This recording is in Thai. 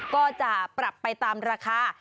ก็จะปรับไปตามราคา